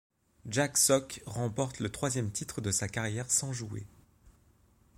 Jack Sock remporte le troisième titre de sa carrière sans jouer.